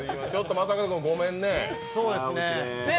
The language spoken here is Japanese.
正門君、ごめんね。